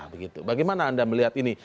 bagaimana anda melihat ini